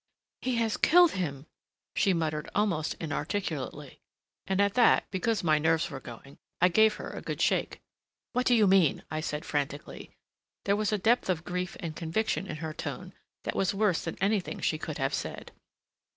"He has killed him!" she muttered almost inarticulately; and at that, because my nerves were going, I gave her a good shake. "What do you mean?" I said frantically. There was a depth of grief and conviction in her tone that was worse than anything she could have said.